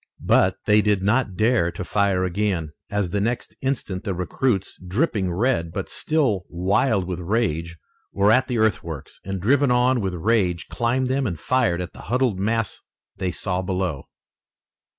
But they did not dare to fire again, as the next instant the recruits, dripping red, but still wild with rage, were at the earthworks, and driven on with rage climbed them and fired at the huddled mass they saw below.